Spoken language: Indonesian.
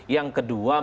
yang kedua memang